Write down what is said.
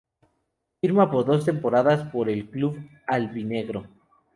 Firma por dos temporadas por el club albinegro.